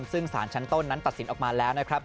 ซึ่งสารชั้นต้นนั้นตัดสินออกมาแล้วนะครับ